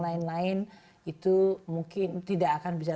lain lain itu mungkin tidak akan bisa